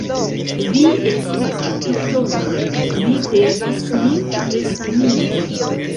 Vi estas doktoro, vi devas min resanigi.